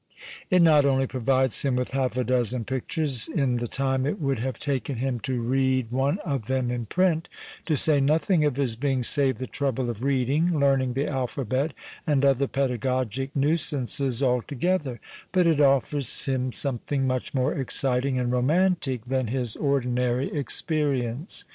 It not only provides him with half a dozen pictures in the time it would have taken him to read 227 Q i PASTICHE AND PREJUDICE one of them in print (to say nothing of his being saved the trouble of reading, learning the alphabet, and other pedagogic nuisances altogether), but it offers him something much more exciting and romantic than his ordinary experience.